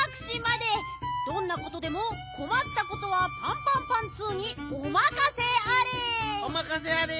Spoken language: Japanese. どんなことでもこまったことはパンパンパンツーにおまかせあれ！